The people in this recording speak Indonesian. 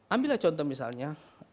ambil lah contoh misalnya